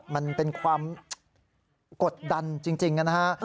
มันเป็นความกดดันจริงนะฮะ